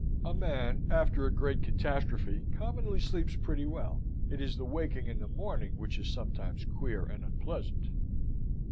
A man after a great catastrophe commonly sleeps pretty well. It is the waking in the morning which is sometimes queer and unpleasant.